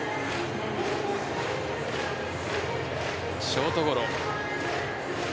ショートゴロ。